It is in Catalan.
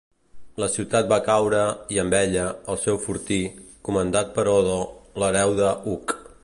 La ciutat va caure i, amb ella, el seu fortí, comandat per Odo, l'hereu de Hugh.